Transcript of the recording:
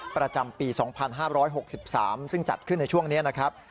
ประจำปี๒๕๖๓ซึ่งจัดขึ้นในช่วงนี้นะครับ